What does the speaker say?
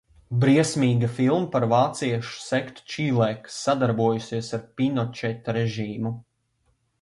Briesmīga filma par vāciešu sektu Čīlē, kas sadarbojusies ar Pinočeta režīmu.